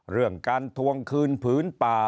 เรื่องการทวงคืนผืนป่า